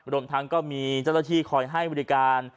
รวมทั้งก็มีเจ้าหน้าที่คอยให้บริการ